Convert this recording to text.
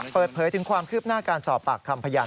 เปิดเผยถึงความคืบหน้าการสอบปากคำพยาน